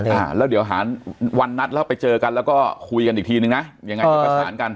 แล้วก็เดี๋ยวหาวันนัทไปเจอกันแล้วก็คุยกันอีกทีนึงนะ